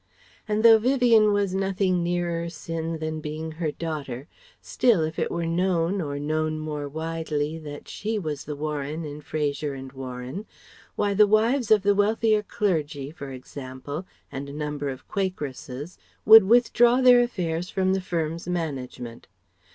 And though Vivien was nothing nearer sin than being her daughter, still if it were known or known more widely that she was the Warren in Fraser and Warren, why the wives of the wealthier clergy, for example, and a number of Quakeresses would withdraw their affairs from the firm's management.